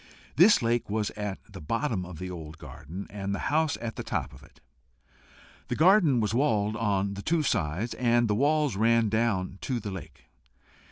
This lake was at the bottom of the old garden, and the house at the top of it. The garden was walled on the two sides, and the walls ran right down to the lake.